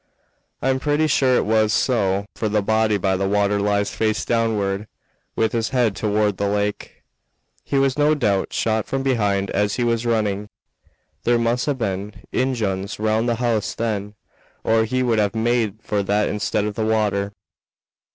I'm pretty sure it was so, for the body by the water lies face downward, with his head toward the lake. He was no doubt shot from behind as he was running. There must have been Injuns round the house then, or he would have made for that instead of the water."